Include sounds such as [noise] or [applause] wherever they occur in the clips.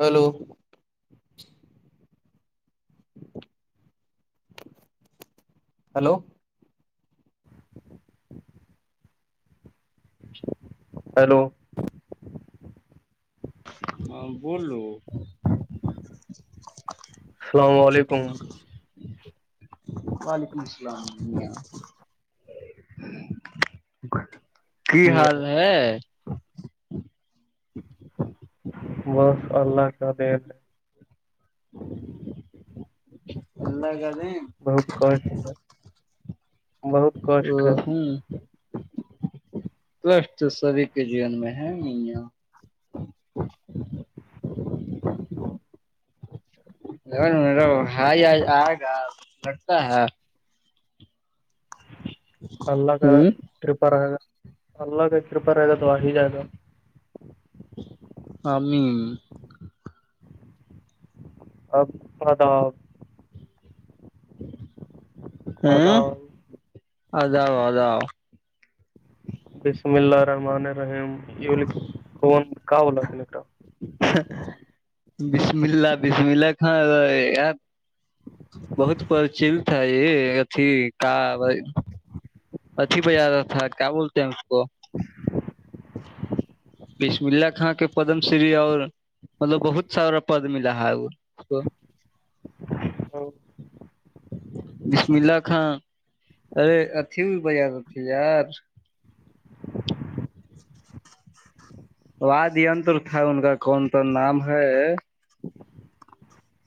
hello hello hello ہاں بولو السلام علیکم [unintelligible] وعلیکم السلام کی حال ہے بس اللہ کا دیر اللہگانے بہت ک بہت ا کشٹ ہے ہوں ک تو سبھی کے جیون میں ہے نہیں یہ [unintelligible] ل میرو ہائی آئے گا لڑتا ہے اللہ کا ہوں کریپر ہےا اللہ کا کریپر ہے گا تو وااہ جاائے گ ہاںمی اب بتاپ ہوں آداب ادؤ اداؤ بسم اللہ رحمان رحم کیا بولا تھا ہیں نکٹا بسم اللہ بسم اللہ خان بہت پرچل تھاائےھی کا اتھی بہ آ رہا تھا کیا بولتے ہیں اس کو بیسم اللہ خاں کے پدم شری اور مطلب بہت سارا پد ملا ہے وہ اس کو [unintelligible] بسملا خاں ارے اھی بھی بازار تھی یار واد تر تھا ان کا کون سا نام ہے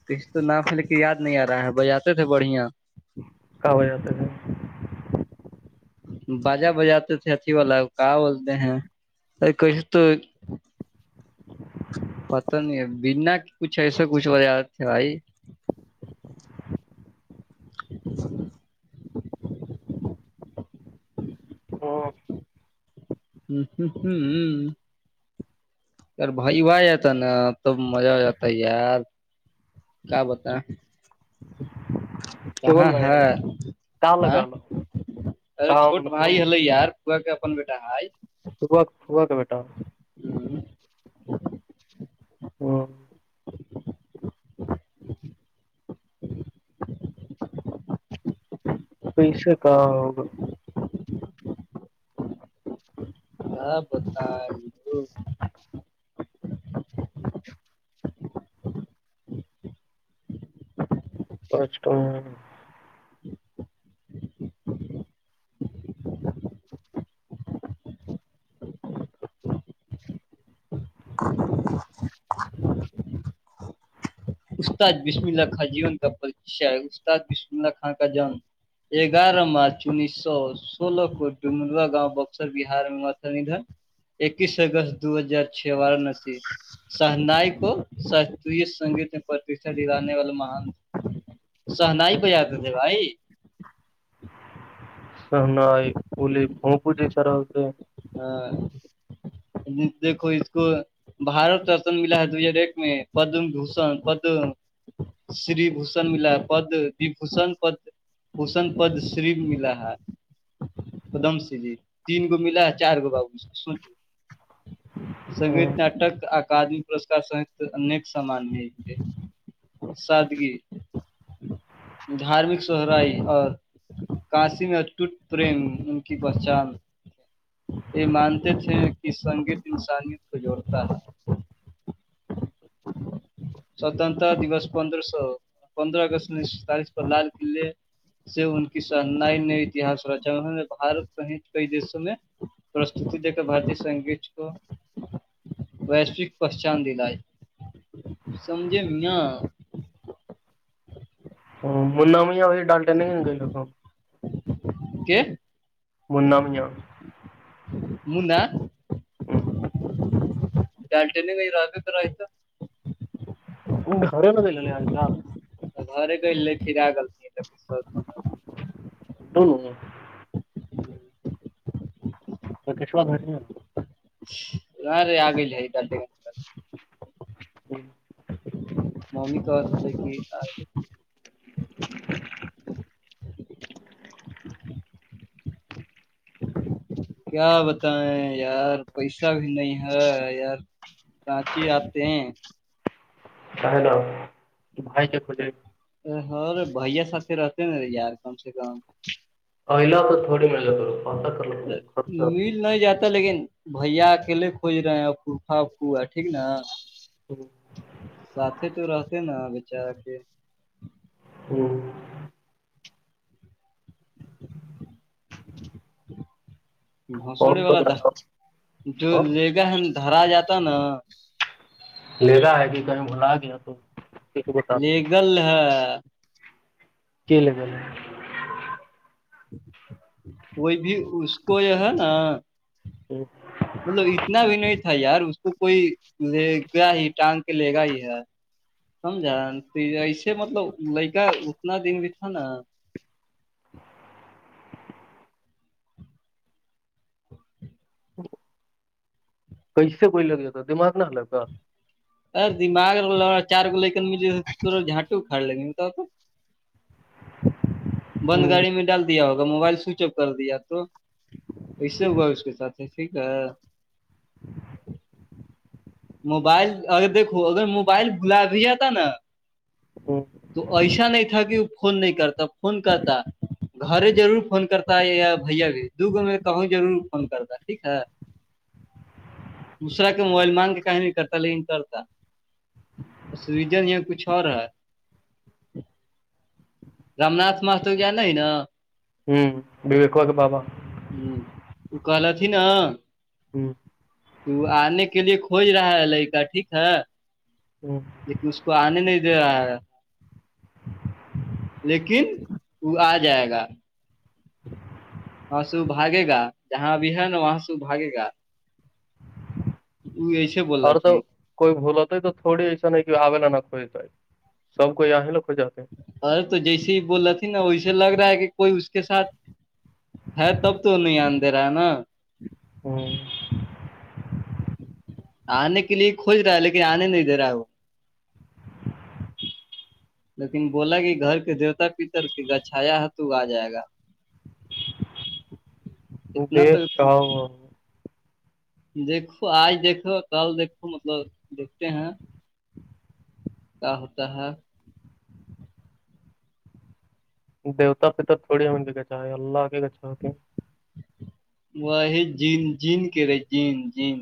کسی تو ناف لے کے یاد نہیں آ رہا ہے بجاتے تھے بڑھیا کا ہو بجا بجاتے تھے اھی والا کہاں بولتے ہیں ا کش تو پت نہیں ہے بنا کچھ ایسے کچھ وت تھے بھائی [unintelligible] [unintelligible] ار بھائی ب جاتتا نا توب مزہ ہو جاتا یار کیا بت کون کہاں بھائی ہے کا ا لگال ارے کا چھوٹ من کون بھائی ہلے یار پ کے اپ بیٹا ہائی صب صبح کا ب بیٹا [unintelligible] ہوں پیسے کہاں ہوگا ہ بتائی [unintelligible] [unintelligible] استاد بسم اللہ خاں جیون کا ہے استاد بسم اللہ خاں کا جان اگارہ مارچ انیس سو سول پور ڈومڈوا گاؤ بکسر بار میں متن ادھر اکیس اگست دو ہزار چھ بارہ ن سے سہنائی کو شری سنگیت پرتیھا ادانے والے مہان سہناائی پ جاتے تھے بھائی سہنائی اولی بھوم پوجے سرا ہوتے ہاں دیکھو اس کو بارت رتن ملا ہے دو ہزار ایک میں پدم بھوشن پدم شری بھوشن ملا پد و بھشن پد حوسن پد شری ملا ہے قدم سے جی تین گو ملا چار گو بابوس سوچو سگیت ناٹک اکدمی پسکار سہت انک سامان نہیںے سادگی دھارمک سہرائی اور کاشی میں اتوٹ پریم ان کی پہچان یہ مانتے تھے کہ سنگیت انسانیت کو جوڑتا ہے [unintelligible] سوتنتتا دوس پندرہ سو پندرہ اگست انیس سو ستالیس کو لال قلعے سے ان کی سناائی ن اتہاس رچا انوں نے بارت سہت کئی دیشوں میں پرستتی دے کر بارتی سنگیت کو وشوک پہچان دلائے سمجھے میاں منا ماں ڈالٹتے نہیں گئی لووں کہ منا میاں مندا [unintelligible] ڈالٹین گ رااب در آئیت گرن د ل لے آ کال گھر گ لے گل تھ [unintelligible] تو کشوا ہویا نہ رے آگل دی ہوں ممی کہے کہ [unintelligible] کیا بتائیں یار پیسہ بھی نہیں ہے یار سچی آتے ہیں ہے نا بھائی کےھولے ہرے بھیا سات رہتے نا یار کم سے کم الا تو تھوڑی می کرو پا کر ل خرچ مل نہیں جاتا لیکن بھیا اکیلے کھج رہے ہیں پفاوا ٹھیک نا س تو رہتے نا بیچارا کے ہوں بھنسڑے فون تو والا د لگا جو لے گا ہےا دھرا جاتا نا لے رہا ہے کہ کہیں بھلا گیا تو کسی بتا دو لیگل ہے ک لیےگول ہے کوئی بھی اس کو جو ہے نا جی مطلب اتنا بھی نہیں تھا یار اس کو کوئی لے گیا ہی ٹانس کہ لے گا ہی ہے سمجھا ایسے مطلب لکا اتنا دن بھی تھا نا کی سے کوئی لگ جاتا دماغ نہ الگا ار دماغا چار لیکن مجھےورا جھانٹو کھڑ لگے بتا تو بند ہوں گاڑی میں ڈال دیا ہوگا موبائل سوئچ آف کر دیا تو ویسے ہوا اس کے ساتھ ہے ٹھیک ہے موبائل اگر دیکھو اگر موبائل بلا بھی جاتا نا ہوں تو ایسا نہیں تھا کہ وہ فون نہیں کرتا فون کرتا گھر ضرور فون کرتا ہے یا بھیا بھی دوگو میں کہوں ضرور فون کرتا ہے ٹھیک ہے دوسرا کے موبائل مان کے کہ نہیں کرتا لیکن کرتا سیجن یہ کچھ اور ہے رام ناتھ ما تو کیاان ہے نا ہوں بی ویکھو کہ پاپا ہ وہ کہل تھ ن ہوں آنے کے لیے کھوج رہا ہے لڑکا ٹھیک ہے ہوں لیکن اس کو آنے نہیں دیا لیکن وہ آ جائے گا ہاں سو بھاگے گا جہاں بھی ہے نا وہاں سو بھاگے گا وہ ایسے بوللا اور رہ تھے تو کوئی بھول ہوتا ہے تو تھوڑی ایسا ہے کہ آوے ل نہ کھوج جائے سب کوئی یہیں ل کھ جاتے ہے ار تو جیسے ہی بول رہی تھی نا ویسے لگ رہا ہے کہ کوئی اس کے ساتھ ہے تب تو نہیں آ دے رہا ہے نا ہاں آنے کے لیے کھج رہا ہے لیکن آنے نہیں دے رہا ہے وہ لیکن بولا کہ گھر کے دیوتا پتر کی گچھایا ہے تو آ جائے گا دھ اتنا تو کہؤ دیکھو آج دیکھو کل دیکھو مطلب دیکھتے ہیں کا ہوتا ہے دیتا پ تور تھوڑی مے کیاچا ہے اللہ کی کیاھا ہوتی وہ ہے جین جین کہ رہے جین جین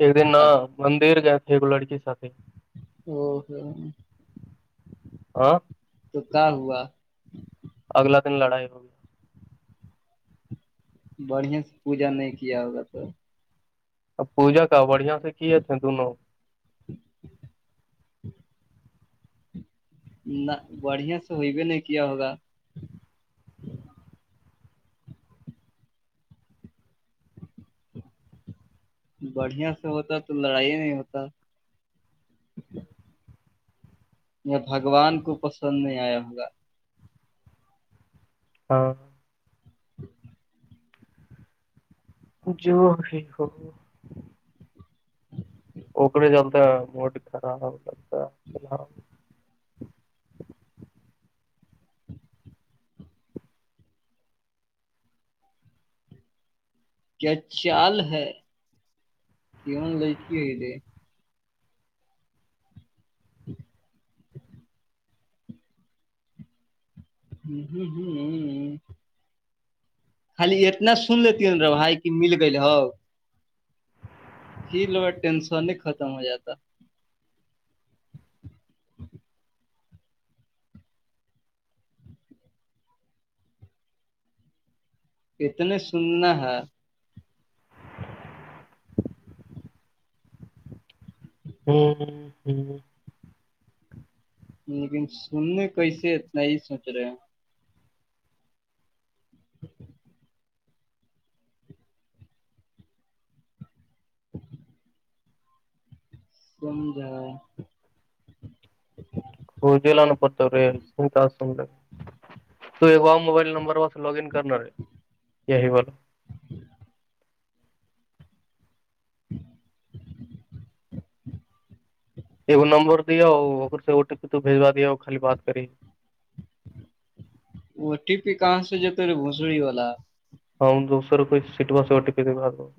ایک دن نہ مندر گئے تھے ایک لڑکی س او ہو آ تو کہاں ہوا اگلا دن لڑائی ہوگی بڑھیا سے پوجا نہیں کیا ہوگا تو ا پوجا کا بڑھیا سے کیے تھے دونوں ج نہ بڑھیا سے ہوئی بھی نہیں کیا ہوگا بڑھیا سے ہوتا تو لڑائی نہیں ہوتا بھگوان کو پسند نہیں آیا ہوگا ہاں جی ٹھ ہو [unintelligible] اکے چلتا ہے موڈ خراب لگتا ہے کیا چال ہے کین لک ہےے [unintelligible] ھمم ھمم خالی اتنا سن لیتی ن را بھائی کی مل گل ہو ہی لوگ ہے ٹینشن ہی ختم ہو جاتا اتنے سننا ہے ہ ہ لیکن سننے کیسے اتنا ہی سوچ رہے ہیں [inaudible] [inaudible] پ جی ل ن پت ری سنتااسن [unintelligible] تو ایک وہ موبائل نمبر و لوگن کرنا ہے یہ ہی واللا اگ نمبر دیاھر سے او ٹی پی تو بھیجوا دیا خالی بات کری وہ ٹیپی کہاں سے جتے رے بھسڑی والا ہاں دوسر کوئی سیٹی بسٹی پ د بر [unintelligible]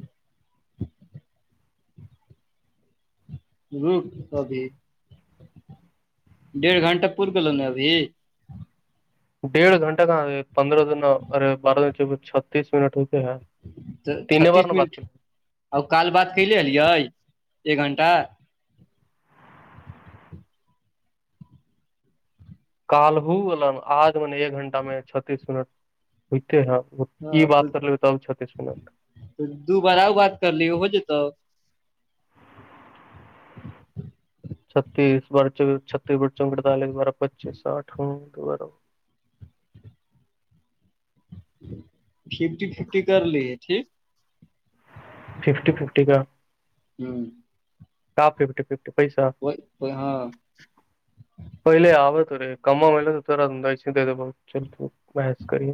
رک ابھی ڈھ گھنٹہ پور گ ن ابھی [unintelligible] ڈیڑھ گھنٹہ کہاں پندرہ دن ارے بارہ دن چھتیس منٹ ہوتے ہے [unintelligible] تو چھتیس منٹ ا کال بات کیلے ایے ایک گھنٹہ کال ہو ا آج میں نے ایک گھٹہ میں چتیس منٹ ہوتے ہیں یہ ہاں بات کر لیے تب چتیس منٹ تو دو بار آؤ بات کر لی ہو جتا چھتیس بار چ چھتیس بڑھ چ اڑتالیس بارہ پچیس ساھ دو بارہ ففٹی ففٹی کر لیے ٹھیک ففٹی ففٹی کا [unintelligible] [inaudible] کاف ففٹی ففٹی پسہ ہاں پہلے آوے تو رہے کما میںلے تو تیرا دا اس د ب چل بحث کریے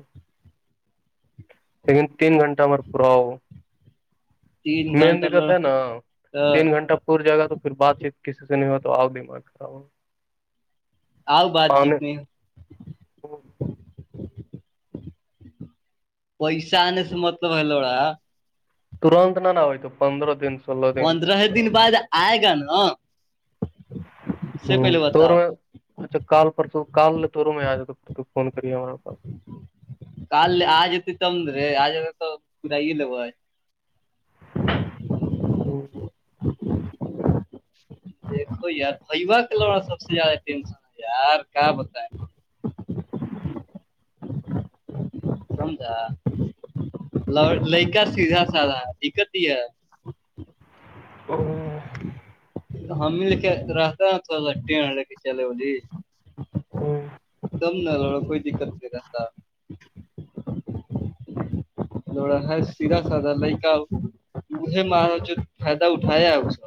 لیکن تین گھنٹہ مر پاؤ تین مین گھنٹہ دقت ل ہے نا تین گھنٹہ ر جائے گا تو پھر بات چیت کسی سے نہیں ہو تو آپ دماغ خراب ہوگا آؤ بات چیت میں پیسا آنے سے مطلب ہے ترنت نہ نہا ہوئے تو پندرہ دن سولہ دن د دن بعد [unintelligible] آئے گا نا [unintelligible] ہ سے پہلے توور بتاؤ میں اچھا کال پرسوں کال تووروں میں آ جاتا فون کریے ہمارے پاس کال آجتی تمرے آج تو پود [unintelligible] [inaudible] [inaudible] دیکھو یار بھیوا کے لوا سب سے زیادہ ٹینشن ہے یار کہ بتائے سمجھا ل لڑکا سیدھا سھا دقتی ہے ا [inaudible] ہم ہی لے کے رہتا ن تھوڑا سٹ لے کے چلے بولی [inaudible] [inaudible] کوئی دقت نہیں کرتا لڑا ہے سیرا سدا ل کااے مارا جو فائدہ اٹھایا ہے اس کا